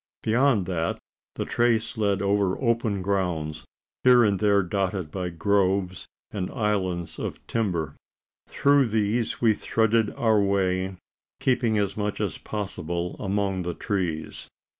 Beyond that, the trace led over open ground here and there dotted by groves and "islands" of timber. Through these we threaded our way keeping as much as possible among the trees.